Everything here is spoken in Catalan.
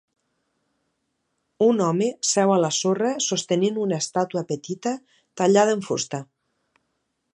Un home seu a la sorra sostenint una estàtua petita tallada en fusta.